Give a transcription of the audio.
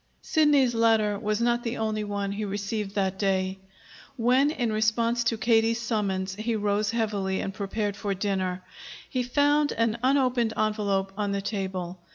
Sidney's letter was not the only one he received that day. When, in response to Katie's summons, he rose heavily and prepared for dinner, he found an unopened envelope on the table.